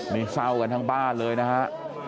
นี่เศร้ากันทั้งบ้านเลยนะฮะ